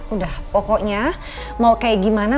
udah pokoknya mau kayak gimana